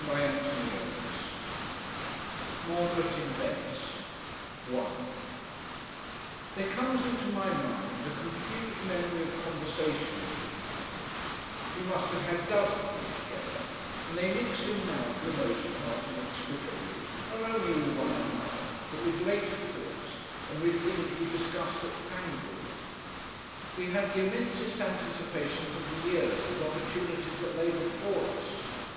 CHAPTER THE THIRD ~~ MARGARET IN VENICE 1 There comes into my mind a confused memory of conversations with Margaret; we must have had dozens altogether, and they mix in now for the most part inextricably not only with one another, but with later talks and with things we discussed at Pangbourne. We had the immensest anticipations of the years and opportunities that lay before us.